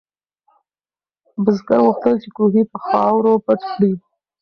بزګر غوښتل چې کوهی په خاورو پټ کړي.